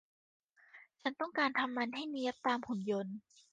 ฉันต้องการทำมันให้เนี๊ยบตามหุ่นยนต์